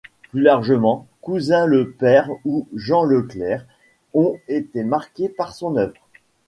Plus largement, Cousin le Père ou Jean Leclerc ont été marqués par son œuvre.